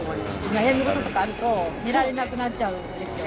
悩みごととかあると寝られなくなっちゃうんですよ